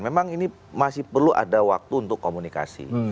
memang ini masih perlu ada waktu untuk komunikasi